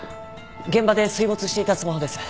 現場で水没していたスマホです。